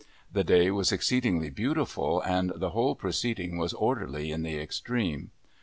The day was exceedingly beautiful, and the whole proceeding was orderly in the extreme.